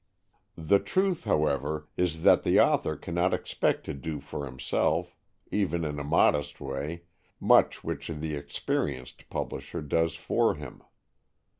The truth, however, is that the author cannot expect to do for himself, even in a modest way, much which the experienced publisher does for him.